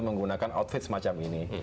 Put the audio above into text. menggunakan outfit semacam ini